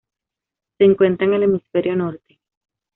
Se encuentra en el Hemisferio Norte.